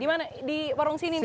di mana di warung sini mas